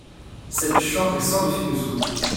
Cette chambre est sens dessus dessous.